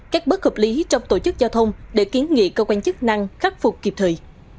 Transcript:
các bất hợp lý trong tổ chức giao thông để kiến nghị cơ quan chức năng khắc phục kịp thời